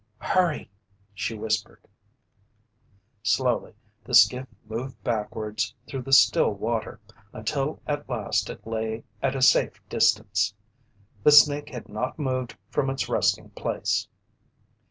"Hurry!" she whispered. Slowly the skiff moved backwards through the still water, until at last it lay at a safe distance. The snake had not moved from its resting place.